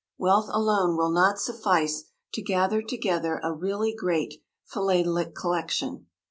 Wealth alone will not suffice to gather together a really great philatelic collection.